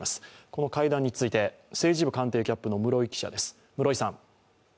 この会談について、政治部官邸キャップの室井記者です。